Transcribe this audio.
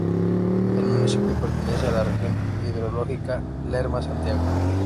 El municipio pertenece a la región hidrológica Lerma-Santiago.